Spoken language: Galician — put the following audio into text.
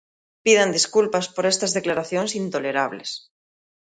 Pidan desculpas por estas declaracións intolerables.